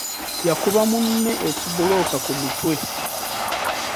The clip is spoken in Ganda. Yakuba munne ekibulooka ku mutwe.